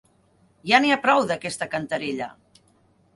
Ja n'hi ha prou, d'aquesta cantarella!